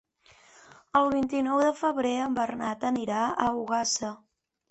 El vint-i-nou de febrer en Bernat anirà a Ogassa.